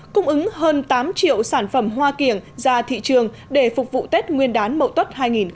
cung ứng hơn tám triệu sản phẩm hoa kiển ra thị trường để phục vụ tết nguyên đán mậu tốt hai nghìn một mươi tám